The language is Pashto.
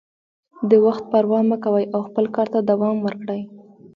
د وخت پروا مه کوئ او خپل کار ته دوام ورکړئ.